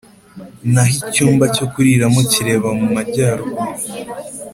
Naho icyumba cyo kuriramo kireba mu majyaruguru